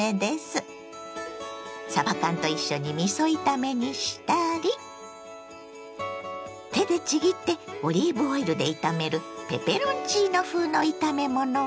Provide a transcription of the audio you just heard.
さば缶と一緒にみそ炒めにしたり手でちぎってオリーブオイルで炒めるペペロンチーノ風の炒め物はいかが？